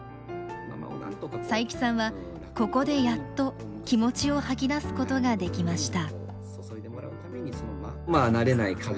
佐伯さんはここでやっと気持ちを吐き出すことができました。